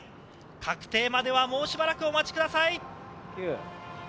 確定までもうしばらくお待ちください。